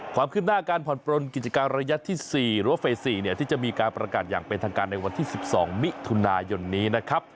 ความคืบหน้าการผ่อนปลนกิจการระยะที่๔หรือว่าเฟส๔ที่จะมีการประกาศอย่างเป็นทางการในวันที่๑๒มิถุนายนนี้นะครับ